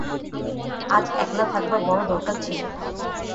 আজ একলা থাকবার বড়ো দরকার ছিল।